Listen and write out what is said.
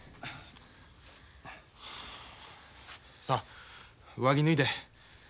さあ上着脱いで。